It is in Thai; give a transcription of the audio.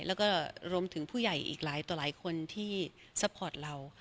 แล้วก็รวมถึงผู้ใหญ่อีกหลายต่อหลายคนที่ซัพพอร์ตเรา